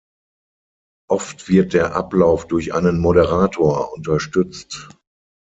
Oft wird der Ablauf durch einen Moderator unterstützt.